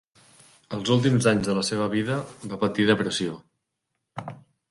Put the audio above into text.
Els últims anys de la seva vida, va patir depressió.